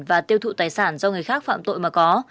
và tiêu thụ tài sản do người khác phạm tội mà có